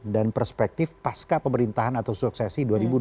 dan perspektif pasca pemerintahan atau suksesi dua ribu dua puluh sembilan